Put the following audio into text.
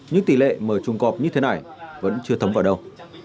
nhưng tỷ lệ mở chuồng cọp như thế này vẫn chưa thấm vào đâu